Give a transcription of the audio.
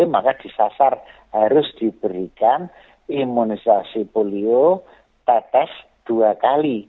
maka disasar harus diberikan imunisasi polio tetes dua kali